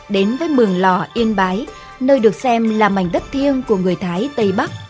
đến với mường lò yên bái nơi được xem là mảnh đất thiêng của người thái tây bắc